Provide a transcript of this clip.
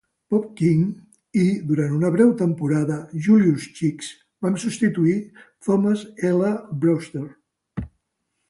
Bob King i, durant una breu temporada, Julius Cheeks van substituir Thomas L. Breuster.